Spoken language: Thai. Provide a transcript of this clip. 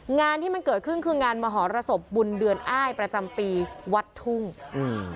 งานที่มันเกิดขึ้นคืองานมหรสบบุญเดือนอ้ายประจำปีวัดทุ่งอืม